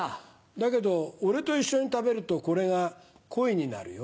だけど俺と一緒に食べるとこれがコイになるよ。